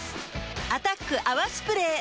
「アタック泡スプレー」